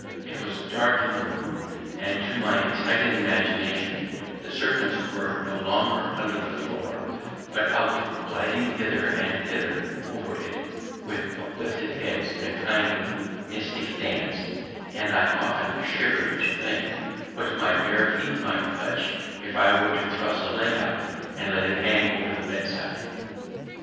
It was dark in the room, and to my excited imagination the serpents were no longer under the floor, but out, gliding hither and thither over it, with uplifted heads in a kind of mystic dance; and I often shivered to think what my bare feet might touch if I were to thrust a leg out and let it hang down over the bedside.